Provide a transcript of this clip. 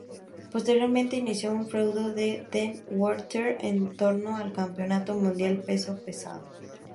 Posteriormente, inició un feudo con The Undertaker en torno al Campeonato Mundial Peso Pesado.